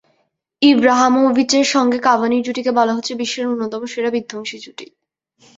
ইব্রাহামোভিচের সঙ্গে কাভানির জুটিকে বলা হচ্ছে বিশ্বের অন্যতম সেরা বিধ্বংসী জুটি।